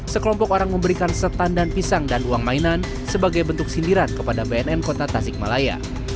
sekelompok orang memberikan setan dan pisang dan uang mainan sebagai bentuk sindiran kepada bnn kota tasikmalaya